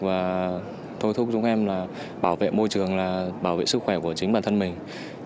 và thôi thúc chúng em là bảo vệ môi trường là bảo vệ sức khỏe của chính bản thân mình